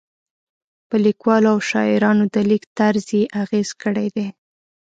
په لیکوالو او شاعرانو د لیک طرز یې اغېز کړی دی.